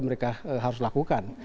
mereka harus lakukan